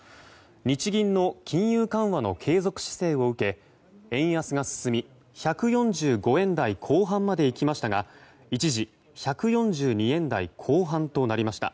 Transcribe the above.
日銀の金融緩和の継続姿勢を受け円安が進み１４５円台後半まで行きましたが一時１４２円台後半となりました。